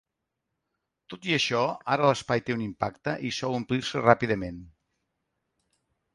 Tot i això, ara l'espai té un impacte i sol omplir-se ràpidament.